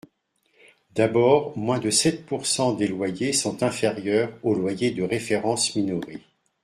D’abord, moins de sept pourcent des loyers sont inférieurs au loyer de référence minoré.